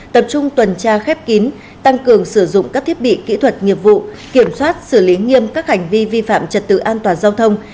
tập trung tuần tra khép kín tăng cường sử dụng các thiết bị kỹ thuật nghiệp vụ kiểm soát xử lý nghiêm các hành vi vi phạm trật tự an toàn giao thông